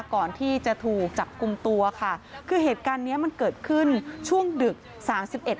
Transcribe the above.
ก่อนที่จะถูกจับกลุ่มตัวค่ะคือเหตุการณ์เนี้ยมันเกิดขึ้นช่วงดึกสามสิบเอ็ด